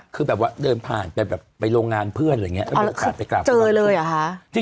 คือแบบว่าเดินผ่านไปโรงงานเพื่อนอะไรอย่างนี้แล้วก็กลับไปกลับครูบาบุญชุ่ม